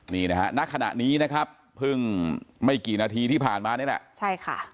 นี่นะฮะณขณะนี้นะครับเพิ่งไม่กี่นาทีที่ผ่านมานี่แหละใช่ค่ะ